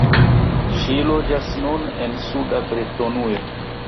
Ŝi loĝas nun en suda Bretonujo.